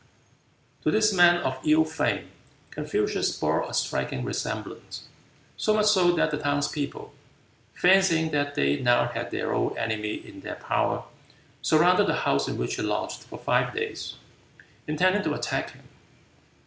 To this man of ill fame Confucius bore a striking resemblance, so much so that the townspeople, fancying that they now had their old enemy in their power, surrounded the house in which he lodged for five days, intending to attack him.